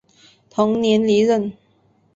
同年离任。